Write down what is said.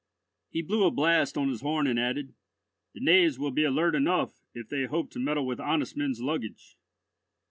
He blew a blast on his horn, and added, "The knaves will be alert enough if they hope to meddle with honest men's luggage."